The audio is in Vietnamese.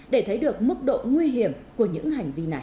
để thấy được mức độ nguy hiểm của những hành vi này